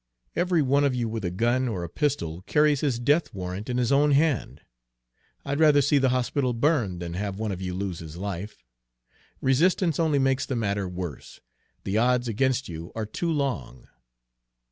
Every one of you with a gun or a pistol carries his death warrant in his own hand. I'd rather see the hospital burn than have one of you lose his life. Resistance only makes the matter worse, the odds against you are too long."